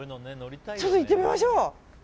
ちょっと行ってみましょう。